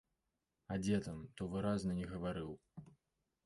А дзе там, то выразна не гаварыў.